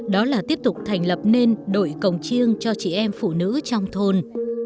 đó là tiếp tục thành lập nên đội cổng chiêng cho chị em phụ nữ trong thôn